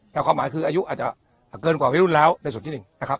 แต่ความหมายคืออายุอาจจะเกินกว่าพี่รุ่นแล้วในส่วนที่หนึ่งนะครับ